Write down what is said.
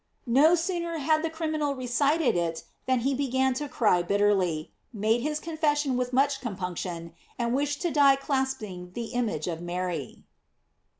r No sooner had the criminal recited it than he began to cry bitterly, made his con fession with much compunction, and wished to die clasping tbe image of Mary.